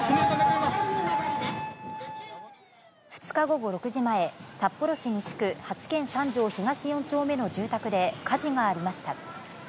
２日午後６時前、札幌市西区八軒３条東４丁目の住宅で火事がありました。